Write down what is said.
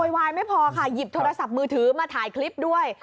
วายไม่พอค่ะหยิบโทรศัพท์มือถือมาถ่ายคลิปด้วย